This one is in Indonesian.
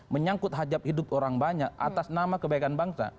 menyangkut hajab hidup orang banyak atas nama kebaikan bangsa